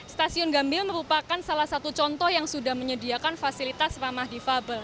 stasiun gambil merupakan salah satu contoh yang sudah menyediakan fasilitas ramah difabel